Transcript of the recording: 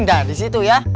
nah disitu ya